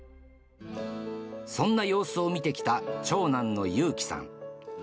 そんな様子を見てきた長男の優貴さん。